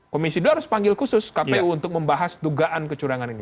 komisi dua harus panggil khusus kpu untuk membahas dugaan kecurangan ini